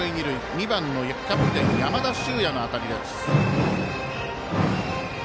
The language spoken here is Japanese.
２番のキャプテン山田脩也の当たりです。